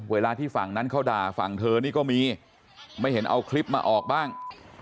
เวลาที่ฝั่งนั้นเขาด่าฝั่งเธอนี่ก็มีไม่เห็นเอาคลิปมาออกบ้าง